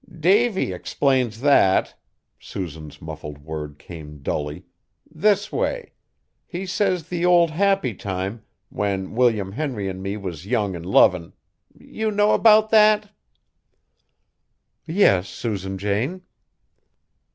"Davy explains that" Susan's muffled words came dully "this way. He says the old happy time, when William Henry an' me was young an' lovin', you know about that?" "Yes, Susan Jane."